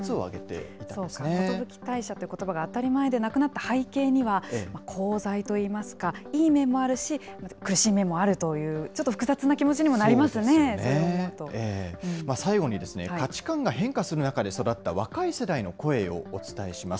そうか、寿退社ということばが当たり前でなくなった背景には、功罪といいますか、いい面もあるし、苦しい面もあるという、ちょっと複雑な気持ちにもなりますね、最後に、価値観が変化する中で、育った若い世代の声をお伝えします。